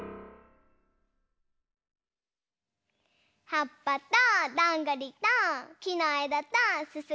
はっぱとどんぐりときのえだとすすき！